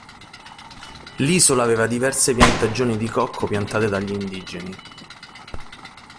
L'isola aveva diverse piantagioni di cocco piantate dagli indigeni.